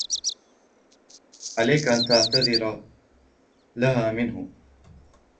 عليك أن تعتذر لها منه.